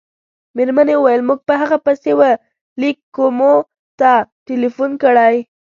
مېرمنې وویل: موږ په هغه پسې وه لېک کومو ته ټېلیفون کړی.